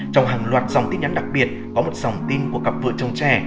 trong hàng loạt dòng tin nhắn đặc biệt có một sòng tin của cặp vợ chồng trẻ